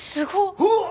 うわっ！